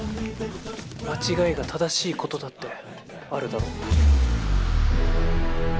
間違いが正しいことだってあるだろ？